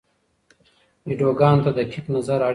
ویډیوګانو ته دقیق نظر اړین دی.